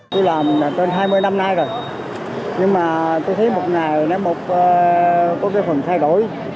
tôi làm trên hai mươi năm nay rồi nhưng mà tôi thấy một ngày có phần thay đổi